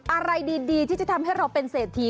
อะไรดีที่จะทำให้เราเป็นเศรษฐี